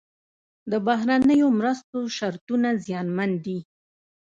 د بهرنیو مرستو شرطونه زیانمن دي.